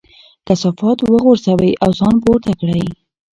کثافات وغورځوئ او ځان پورته کړئ.